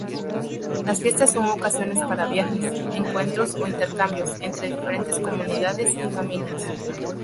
Las fiestas son ocasiones para viajes, encuentros e intercambios, entre diferentes comunidades y familias.